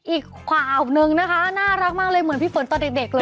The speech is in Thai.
อีกข่าวหนึ่งนะคะน่ารักมากเลยเหมือนพี่ฝนตอนเด็กเลย